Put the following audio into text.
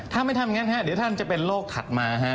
ถ้าไม่ทำอย่างนั้นเดี๋ยวท่านจะเป็นโรคถัดมาฮะ